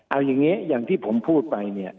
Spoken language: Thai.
เอาอย่างนี้อย่างที่ผมพูดไปเนี่ย